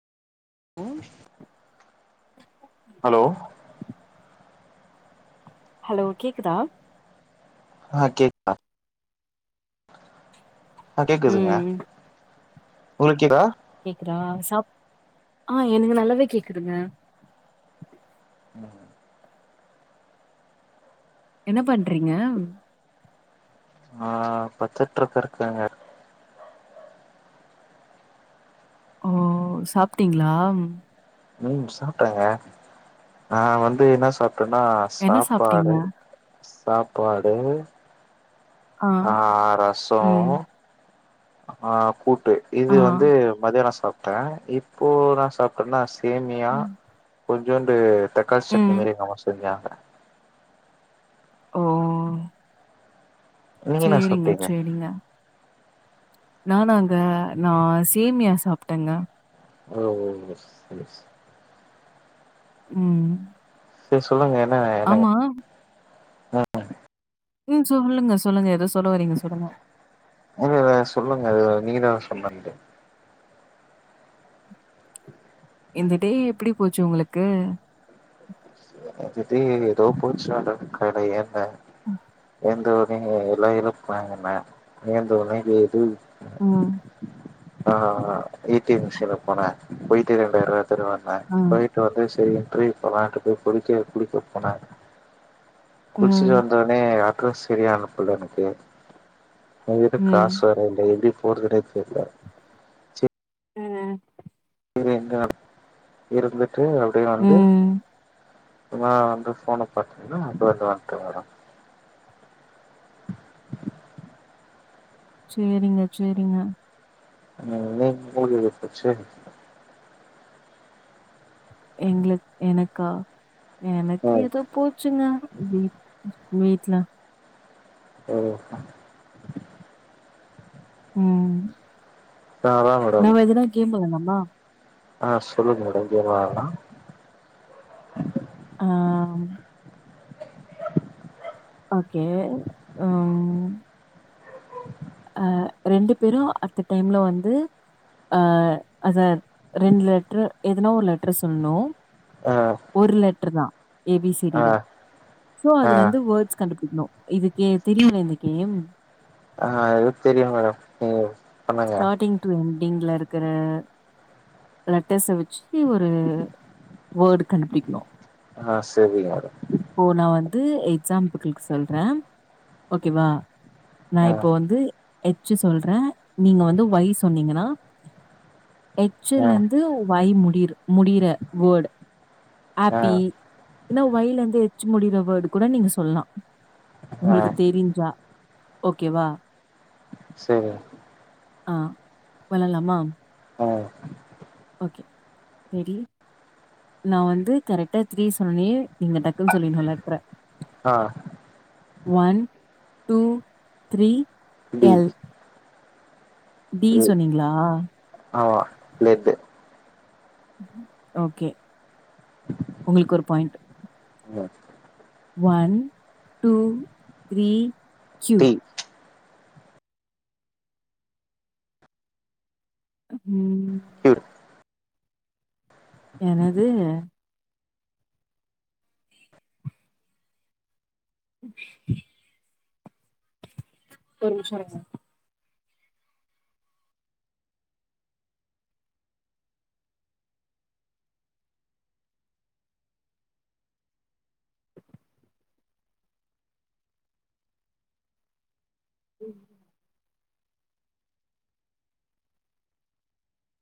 ம் hello hello கேக்குதா ஆ கேக்தா ஆ கேக்குதுங்க ம் உங்களுக்கு கேக்குதா கேக்குதா சா ஆ எனக்கு நல்லாவே கேக்குதுங்க ம் என்ன பண்றீங்க ஆ பச்சட்டு இருக்க இருக்காங்க ஓ சாப்ட்டீங்களா ம் சாப்ட்டங்க நா வந்து என்ன சாப்ட்டேன்னா என்ன சாப்பாடு சாப்ட்டீங்க சாப்பாடு ஆ ரரசம் ம் ஆ கூட் டு ஆ இது வந்து மதியானம் நா சாப்ட்டேன் இப்போ நா என்ன சாப்ட்டேன்னா சேமியா ம் கொஞ்சோண்டு தக்காளி சட்னி ம் மாரி எங்க அம்மா செஞ்சாங்க ஓ நீங்க என்ன சேரிங்க சாப்ட்டீங்க சேரிங்க நானாங்க நா சேமியா சாப்ட்டேங்க ஓ ஓ சரி சரி ம் செரி சொல்லுங்க என்ன என்னங்க ஆமா ம் சொல்லுங்க சொல்லுங்க ஏதோ சொல்ல வரீங்க சொல்லுங்க இ சொல்லுங்க அது நீங்கதா சொன்னாங்கட்டு இந்த டே எப்டி போச்சு உங்ளுக்கு அது டே ஏதோ போச்சு மேடம் கடயே இல்ல ஆ எங்க வரீங்க எல்லா [unintelligible] ஏன்த்தோனே ம் ஆ ஆ ஏ டி எம் மிஷின்ல போன போயிட்டு ரெண்டாயிரவா எத்துனு ம் வந்த வந்து சரி ட்ரைவ் போலான் போ போய் குடிக்க குடிக்க போன குளிச்சிட்டு ம் வந்தோனே அட்ரஸ் சரியா அனுப்புல எனக்கு என்கிட்ட காசு வேர இல்ல எப்டி போறதுனே தெர்ல அ அ எங்க இருந்துட்டு அப்டியே வந்து ம் இப்பதா வந்து ஃபோன பாத்தீங்ன்னா [unintelligible] சேரிங்க சேரிங்க [unintelligible] எங்ளுக் எனக்கா எனக்கு ம் எதோ போச்சுங்க வீட்ல ஒ ம் நா அதா நாம எதுனா கேம் வெள்ளாலாமா ஆ சொல்லுங்க மேடம் கேம் வெள்ளாலா ஆ ஓகே அம் அ ரெண்டு பேரு அட்த்த டைம்ல வந்து அ அத ரெண்டு லெட்ர எதனா ஒரு லெட்ர சொல்ணு ஆ ஒரு லெட்ரு தா ஏ பி சி டி ஆ ல சோ ஆ அதுலேர்ந்து வேர்ட்ஸ் கண்டு பிடிக்னு இது கே தெரியுல்ல இந்த கேம் ஆ அது தெரியுங்க ஏ ஸ்டாடிங் டூ என்ண்டிங்ல இருக்குற லட்டர்ஸ வச்சு ஒரு வோட் கண்டுபிடிக்ணு ஆ செரிங்க போ நா வந்து எக்ஸாம்ப்புகுளுக் சொல்ற ஓகேவா நா ஆ இப்போ வந்து எச்சி சொல்ற நீங்க வந்து ஒய் ஆ எச்சிலேந்து வை முடிரு முடிய்ற வோட் ஆ ஆப்பி ஒய்லேது எச் முடிற வோடு கூட நீங்க சொல்லா ஆ உங்ளுக்கு தெரிஞ்சா ஓகேவா சேரிய ஆ வெள்ளாலாமா ஆ ஓகே ரெடி நா வந்து கரெக்ட்டா த்ரீ சொன்னனே நீங்க டக்குன் சொல்லின்லு லட்ர அ one two three T L T சொன்னீங்ளா ஆமா லெட்டு ஓக்கே உங்குள்க் ஒரு பாயிண்ட் மு one two three Q T ம் க்யூ எனது ஒரு நிம்ஷருங்க ம்